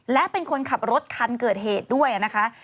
และเป็นคนขับรถคันเกิดเหตุด้วยนะคะ